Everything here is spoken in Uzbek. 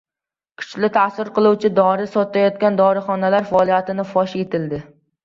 Kuchli ta’sir qiluvchi dori sotayotgan dorixonalar faoliyati fosh etildi